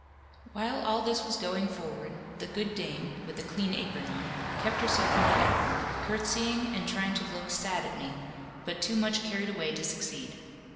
While all this was going forward, the good dame, with a clean apron on, kept herself in the background, curtseying and trying to look sad at me, but too much carried away to succeed.